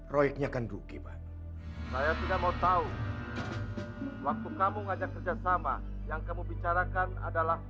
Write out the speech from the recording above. proyeknya kan duki saya tidak mau tahu waktu kamu ngajak kerjasama yang kamu bicarakan adalah